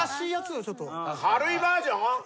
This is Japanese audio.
軽いバージョン？